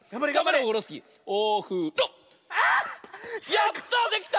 やった！